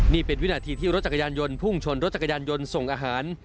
นี่เป็นวินาทีที่รถจักรยานยนต์พุ่งชนรถจักรยานยนต์ส่งอาหาร